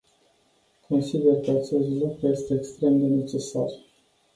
Consider că acest lucru este extrem de necesar.